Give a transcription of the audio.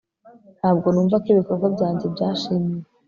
Ntabwo numva ko ibikorwa byanjye byashimiwe